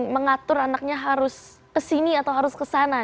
mengatur anaknya harus kesini atau harus kesana